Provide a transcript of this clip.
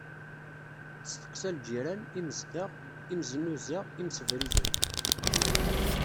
Testeqsa lǧiran, imezdaɣ, imznuza, imsebriden.